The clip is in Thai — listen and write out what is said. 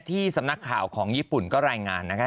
ที่สำนักข่าวของญี่ปุ่นก็รายงานนะคะ